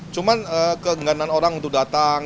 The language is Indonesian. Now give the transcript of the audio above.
cuman kegagalan orang untuk datang